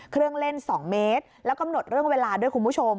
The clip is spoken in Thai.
เครื่องเล่น๒เมตรแล้วกำหนดเรื่องเวลาด้วยคุณผู้ชม